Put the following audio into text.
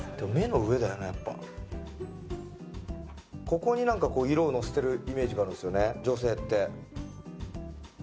ここになんかこう色をのせてるイメージがあるんですよね女性って。